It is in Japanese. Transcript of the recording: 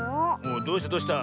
どうしたどうした？